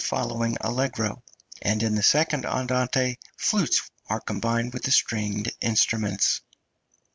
} (302) following allegro, and in the second andante flutes are combined with the stringed instruments.